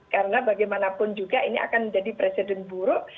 karena bagaimanapun juga ini akan menjadi presiden buruk